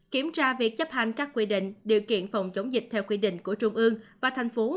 kiểm tra việc chấp hành các quy định điều kiện phòng chống dịch theo quy định của trung ương và thành phố